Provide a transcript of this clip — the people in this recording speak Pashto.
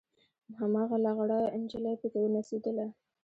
هماغه لغړه نجلۍ پکښې نڅېدله.